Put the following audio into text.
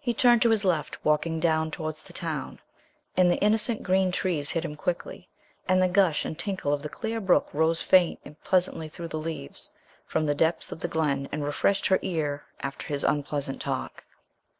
He turned to his left, walking down towards the town, and the innocent green trees hid him quickly, and the gush and tinkle of the clear brook rose faint and pleasantly through the leaves, from the depths of the glen, and refreshed her ear after his unpleasant talk.